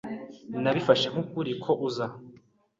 Nabifashe nk'ukuri ko uza.